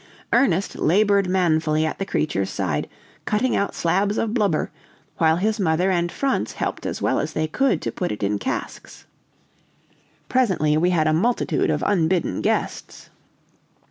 Ernest labored manfully at the creature's side, cutting out slabs of blubber, while his mother and Franz helped as well as they could to put it in casks. Presently we had a multitude of unbidden guests.